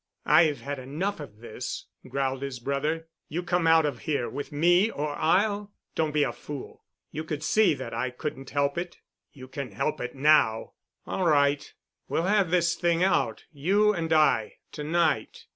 "I've had enough of this," growled his brother. "You come out of here with me or I'll——" "Don't be a fool. You could see that I couldn't help it." "You can help it now——" "All right. We'll have this thing out, you and I—to night.